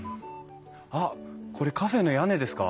あっこれカフェの屋根ですか？